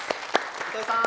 糸井さん。